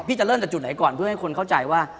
จะเริ่มจากจุดไหนก่อนเพื่อให้คนเข้าใจว่า